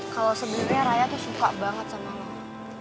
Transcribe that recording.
kalau sebenernya raya tuh suka banget sama lo